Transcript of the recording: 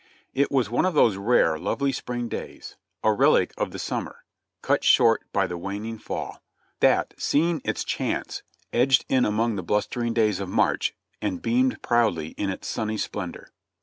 It was one of those rare, lovely spring days, a relic of the summer, cut short by the waning fall, that, seeing its chance, edged in among the blustering days of March and beamed proud ly in its sunny splendor.